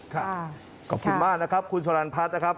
ขอบคุณมากนะครับคุณสรรพัฒน์นะครับ